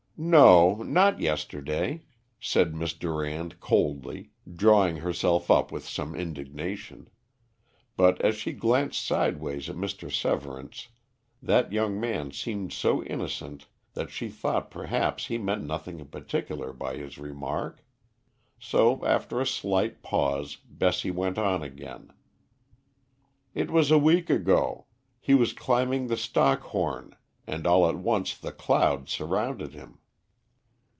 "No, not yesterday," said Miss Durand coldly, drawing herself up with some indignation; but as she glanced sideways at Mr. Severance, that young man seemed so innocent that she thought perhaps he meant nothing in particular by his remark. So, after a slight pause, Bessie went on again. "It was a week ago. He was climbing the Stockhorn and all at once the clouds surrounded him."